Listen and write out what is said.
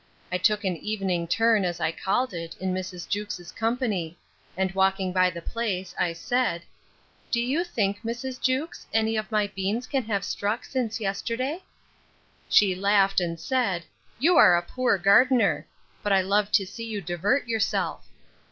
I took an evening turn, as I called it, in Mrs. Jewkes's company: and walking by the place, I said, Do you think, Mrs. Jewkes, any of my beans can have struck since yesterday? She laughed, and said, You are a poor gardener: but I love to see you divert yourself.